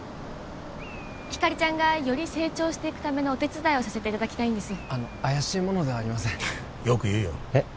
ひかりちゃんがより成長していくためのお手伝いをさせていただきたいんですあの怪しい者ではありませんよく言うよえっ？